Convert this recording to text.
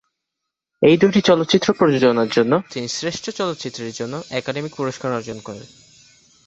এই দুটি চলচ্চিত্র প্রযোজনার জন্য তিনি শ্রেষ্ঠ চলচ্চিত্রের জন্য একাডেমি পুরস্কার অর্জন করেন।